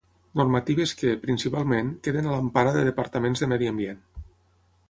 Normatives que, principalment, queden a l'empara de departaments de Medi Ambient.